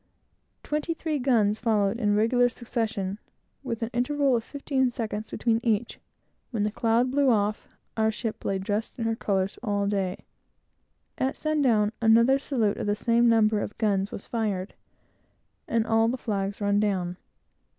Twenty three guns followed in regular succession, with an interval of fifteen seconds between each when the cloud cleared away, and the ship lay dressed in her colors, all day. At sun down, another salute of the same number of guns was fired, and all the flags run down.